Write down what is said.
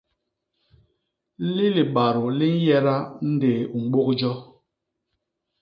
Li libadô li nnyeda ndéé u mbôk jo.